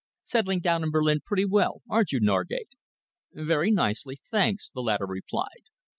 Settling down in Berlin pretty well, aren't you, Norgate?" "Very nicely, thanks," the latter replied.